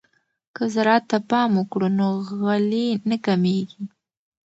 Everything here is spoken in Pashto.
که زراعت ته پام وکړو نو غلې نه کمیږي.